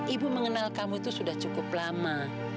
ibu mengenal kamu itu sudah cukup lama